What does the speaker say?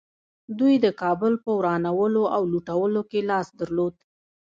دوی د کابل په ورانولو او لوټولو کې لاس درلود